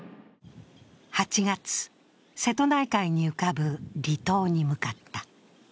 ８月、瀬戸内海に浮かぶ離島に向かった。